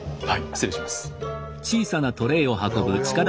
失礼します。